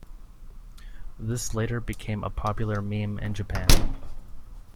This later became a popular meme in Japan.